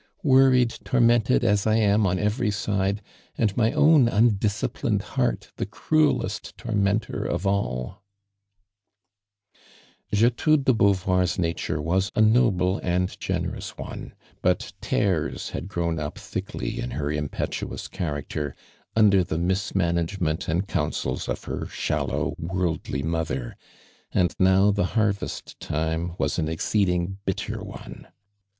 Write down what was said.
"Worried, tormented as I am on eTeiy side, and my own undisciplined heart the cruellest tormentor of all !" Gertrude de Beauvoir s nature was a noble and generous one, but tares had grown up thickly in her impetuous character under the mismanagement and counsels of her shallow, worldly mother, and now tho har vest time was an exceeding bitter one.